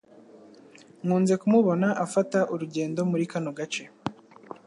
Nkunze kumubona afata urugendo muri kano gace.